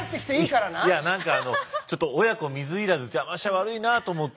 いや何かちょっと親子水入らず邪魔しちゃ悪いなと思って。